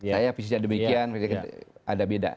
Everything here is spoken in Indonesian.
saya visinya demikian ada beda